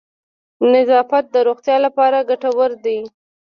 نظافت د روغتیا لپاره گټور دی.